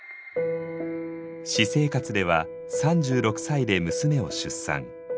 私生活では３６歳で娘を出産。